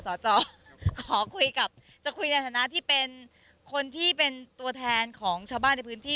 ขอคุยกับจะคุยในฐานะที่เป็นคนที่เป็นตัวแทนของชาวบ้านในพื้นที่